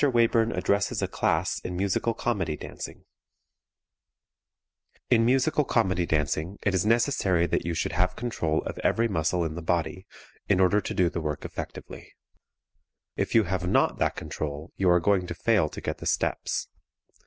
WAYBURN ADDRESSES A CLASS IN MUSICAL COMEDY DANCING [Illustration: NW] In Musical Comedy dancing it is necessary that you should have control of every muscle in the body in order to do the work effectively. If you have not that control you are going to fail to get the steps.